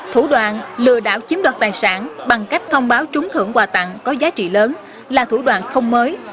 thủ đoạn lừa đảo chiếm đoạt tài sản bằng cách thông báo trúng thưởng quà tặng có giá trị lớn là thủ đoạn không mới